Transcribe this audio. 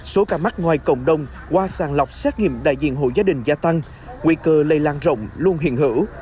số ca mắc ngoài cộng đồng qua sàng lọc xét nghiệm đại diện hộ gia đình gia tăng nguy cơ lây lan rộng luôn hiện hữu